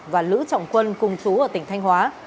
và lữ trọng quân cùng chú ở tỉnh thanh hóa